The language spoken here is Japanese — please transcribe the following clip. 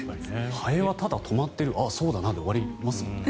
ハエはただ止まっているああ、そうだなって終わりですよ。